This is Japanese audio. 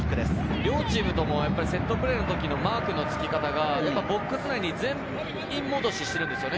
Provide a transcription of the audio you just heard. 両チームともセットプレーのマークのつき方が、ボックス内に全員戻ししているんですよね。